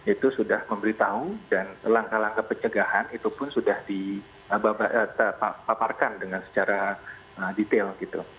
itu sudah memberitahu dan langkah langkah pencegahan itu pun sudah dipaparkan dengan secara detail gitu